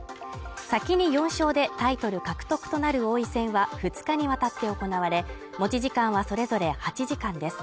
先に４勝でタイトル獲得となる王位戦は２日にわたって行われ、持ち時間はそれぞれ８時間です。